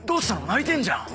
泣いてんじゃん。